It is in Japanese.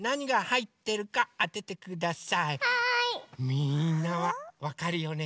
みんなはわかるよね？